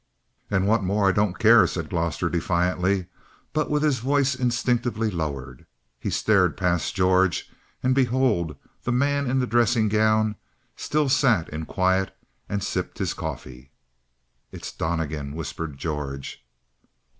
"And what's more, I don't care," said Gloster defiantly but with his voice instinctively lowered. He stared past George, and behold, the man in the dressing gown still sat in quiet and sipped his coffee. "It's Donnegan," whispered George.